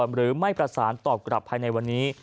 หรือไม่ประสานตอบกลับภายในวันนี้